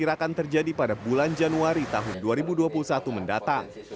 akan terjadi pada bulan januari tahun dua ribu dua puluh satu mendatang